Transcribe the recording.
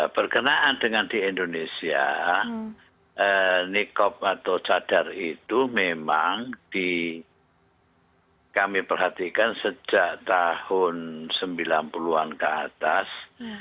berkenaan dengan di indonesia nikob atau cadar itu memang kami perhatikan sejak tahun sembilan puluh an ke atas